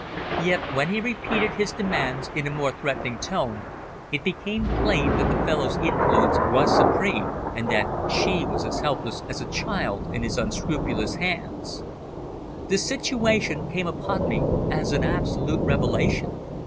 Yet, when he repeated his demands in a more threatening tone, it became plain that the fellow's influence was supreme, and that she was as helpless as a child in his unscrupulous hands. The situation came upon me as an absolute revelation.